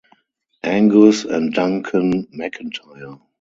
Angus and Duncan McIntyre.